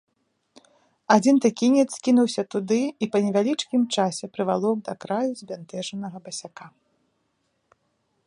Адзін тэкінец кінуўся туды і па невялічкім часе прывалок да краю збянтэжанага басяка.